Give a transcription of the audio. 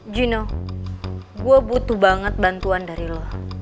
gino gue butuh banget bantuan dari lo